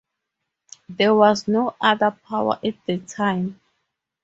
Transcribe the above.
There was no other power at the time.